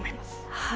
はい。